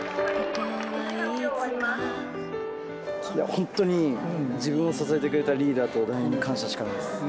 本当に自分を支えてくれたリーダーと団員に感謝しかないです。